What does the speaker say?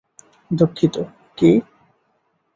দুঃখিত, কী?